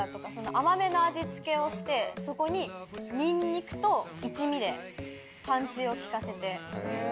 甘めの味付けをしてそこにニンニクと一味でパンチを利かせて。